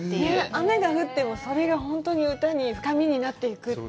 雨が降ってもそれが本当に歌に深みになっていくという。